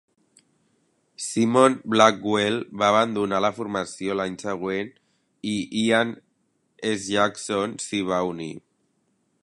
Simon Blackwell va abandonar la formació l'any següent i Ian S Jackson s'hi va unir.